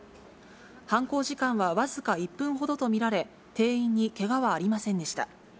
犯行時間は僅か１分ほどと見られ、店員にけがはありませんでした。